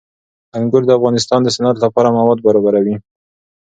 انګور د افغانستان د صنعت لپاره مواد برابروي.